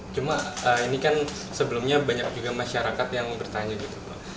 cuma ini kan sebelumnya banyak juga masyarakat yang bertanya gitu